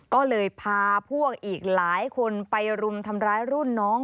ก็เลยพาพวกอีกหลายคนไปรุมทำร้ายรุ่นน้อง